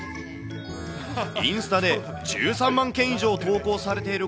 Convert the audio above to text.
インスタで１３万件以上投稿されている